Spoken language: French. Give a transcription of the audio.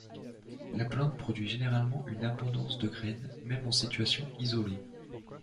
La plante produit généralement une abondance de graines, même en situation isolée.